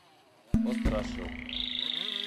Осрашыу